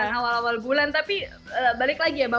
tanggal tengah bulan tapi balik lagi ya mbak